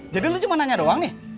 jadi lo cuma nanya doang nih